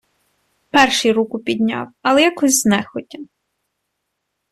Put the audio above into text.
Перший руку підняв, але якось знехотя.